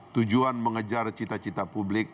tujuan mengejar cita cita publik